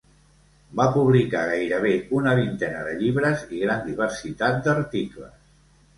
Va publicar gairebé una vintena de llibres i gran diversitat d'articles.